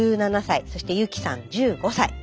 １７歳そして悠稀さん１５歳。